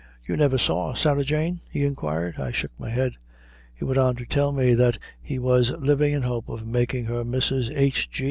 "You never saw Sarah Jane?" he inquired. I shook my head. He went on to tell me that he was living in hope of making her Mrs. H.